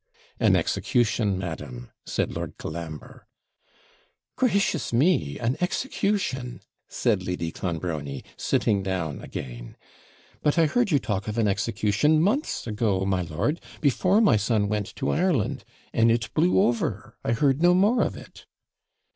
An execution, madam!' said Lord Colambre. 'Gracious me! an execution!' said Lady Clonbrony, sitting down again; 'but I heard you talk of an execution months ago, my lord, before my son went to Ireland, and it blew over I heard no more of it.'